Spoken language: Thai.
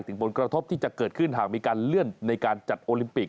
ผลกระทบที่จะเกิดขึ้นหากมีการเลื่อนในการจัดโอลิมปิก